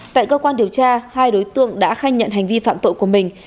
tại cơ quan điều tra hai đối tượng đã khai nhận hành vi phạm tội của mình